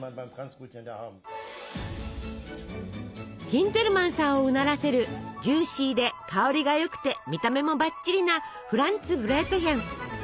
ヒンテルマンさんをうならせるジューシーで香りがよくて見た目もバッチリなフランツブレートヒェン。